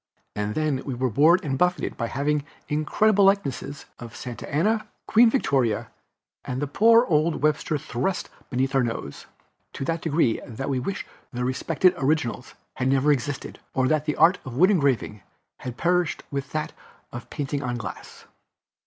And then we were bored and buffeted by having incredible likenesses of Santa Anna, Queen Victoria and poor old Webster thrust beneath our nose, to that degree that we wished the respected originals had never existed, or that the art of wood engraving had perished with that of painting on glass.